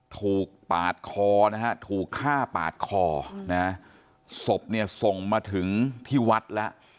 ถูกปาดคอนะฮะถูกฆ่าปาดคอนะศพเนี่ยส่งมาถึงที่วัดแล้ว